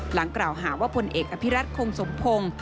หลังกล่าวหาว่าพลเอกอภิรัตคงสมพงศ์